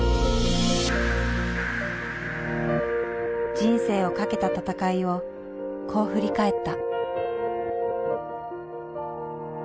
人生をかけた闘いをこう振り返った。